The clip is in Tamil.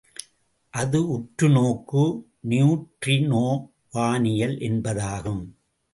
அது உற்றுநோக்கு நியூட்ரினோ வானியல் என்பதாகும்.